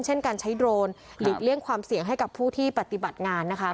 เช่นการใช้โดรนหลีกเลี่ยงความเสี่ยงให้กับผู้ที่ปฏิบัติงานนะคะ